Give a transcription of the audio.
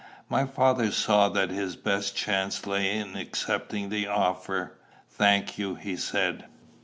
My father saw that his best chance lay in accepting the offer. "Thank you," he said.